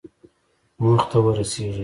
موخې ته ورسېږئ